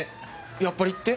やっぱりって？